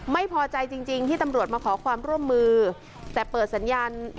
ไม่พอใจจริงที่ตำรวจมาขอความร่วมมือแต่เปิดสัญญาณ